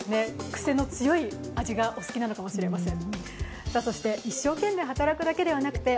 くせの強い味がお好きなのかもしれません。